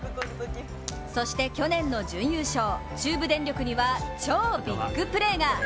そして去年の準優勝、中部電力には超ビッグプレーが。